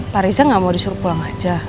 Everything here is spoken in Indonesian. pak riza nggak mau disuruh pulang aja